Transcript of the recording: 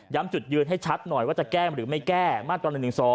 จุดยืนให้ชัดหน่อยว่าจะแก้หรือไม่แก้มาตรา๑๑๒